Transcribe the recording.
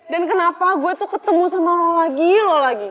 dan kenapa gue tuh ketemu sama lo lagi lo lagi